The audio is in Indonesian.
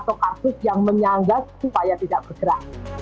atau kasus yang menyanggat supaya tidak bergerak